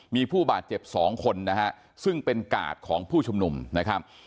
มีผู้บาดเจ็บ๒คนนะฮะซึ่งเป็นกาดของผู้ชุมนุมนะครับ